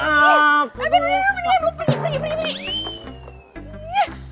eben pergi pergi pergi